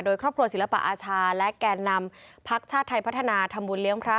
โดยครอบครัวศิลปะอาชาและแก่นำพักชาติไทยพัฒนาทำบุญเลี้ยงพระ